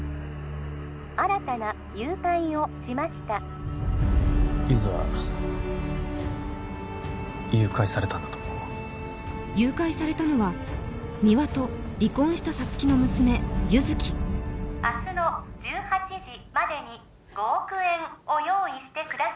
☎新たな誘拐をしましたゆづは誘拐されたんだと思う誘拐されたのは三輪と離婚した沙月の娘優月明日の１８時までに５億円を用意してください